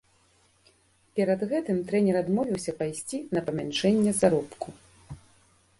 Перад гэтым трэнер адмовіўся пайсці на памяншэнне заробку.